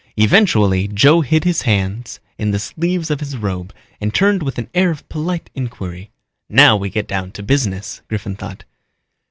Eventually Joe hid his hands in the sleeves of his robe and turned with an air of polite inquiry. Now we get down to business, Griffin thought.